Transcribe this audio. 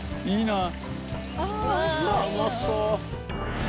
いいなあ！